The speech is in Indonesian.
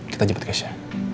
kita jemput keisha